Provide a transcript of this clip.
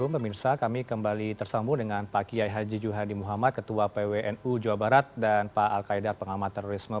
pemirsa kami kembali bersama pak kiai haji juhadi muhammad ketua pwnu jawa barat dan pak alkaidar pengamatan terorisme